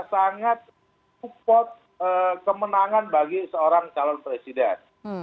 sangat support kemenangan bagi seorang calon presiden